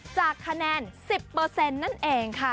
จากคะแนน๑๐นั่นเองค่ะ